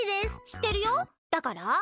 しってるよだから？